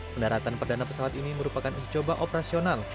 pendaratan perdana pesawat ini merupakan uji coba operasional